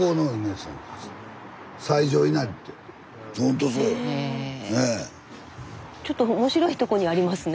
スタジオちょっと面白いとこにありますね。